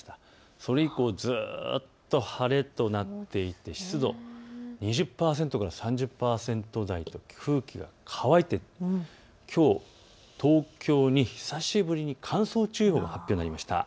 それ以降、ずっと晴れとなっていて湿度、２０％から３０％台と空気が乾いてきょう東京に久しぶりに乾燥注意報が発表されました。